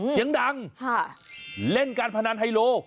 เสียงดังเล่นการพนันไฮโล